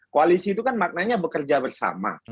koalisi itu kan maknanya bekerja bersama